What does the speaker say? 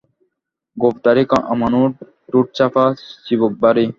গোঁফদাড়ি কামানো, ঠোঁট চাপা, চিবুক ভারী।